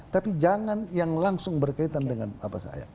tapi jangan yang langsung berkaitan dengan apa saya